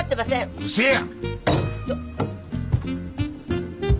うるせえや！